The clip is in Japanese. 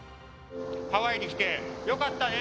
ハワイに来てよかったね。